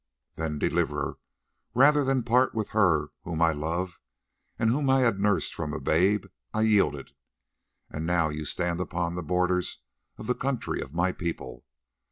"Then, Deliverer, rather than part with her whom I loved, and whom I had nursed from a babe, I yielded. And now you stand upon the borders of the country of my people.